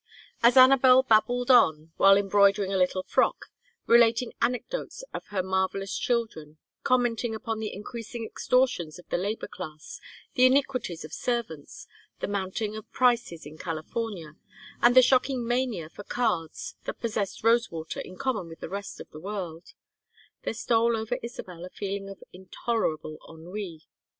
As Anabel babbled on, while embroidering a little frock, relating anecdotes of her marvellous children, commenting upon the increasing extortions of the labor class, the iniquities of servants, the mounting of prices in California, and the shocking mania for cards that possessed Rosewater in common with the rest of the world, there stole over Isabel a feeling of intolerable ennui.